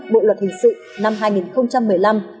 bộ luật hình sự năm hai nghìn một mươi năm